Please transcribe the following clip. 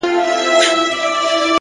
اخلاص د الفاظو ارزښت زیاتوي؛